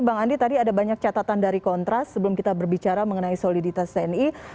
bang andi tadi ada banyak catatan dari kontras sebelum kita berbicara mengenai soliditas tni